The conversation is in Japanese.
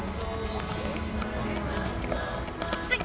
はい！